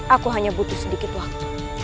aku hanya butuh sedikit waktu